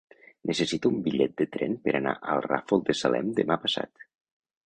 Necessito un bitllet de tren per anar al Ràfol de Salem demà passat.